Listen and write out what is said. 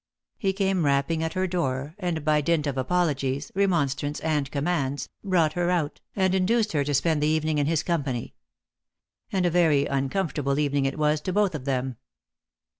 He came rapping at her door, and by dint of apologies, remonstrance, and commands, brought her out, and induced her to spend the evening in his company. And a very uncomfort able evening it was to both of them.